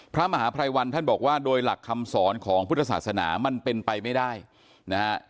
พระมหาภัยวันท่านบอกว่าโดยหลักคำสอนของพุทธศาสนามันเป็นไปไม่ได้นะฮะ